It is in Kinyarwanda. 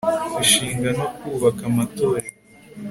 Gushinga no kubaka amatorero